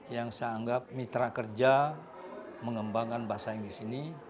yang saya anggap mitra kerja mengembangkan bahasa inggris ini